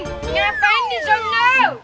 ngapain di sana